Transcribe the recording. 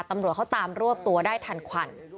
ตำรวจเขาตามรวบตัวได้ทันควัน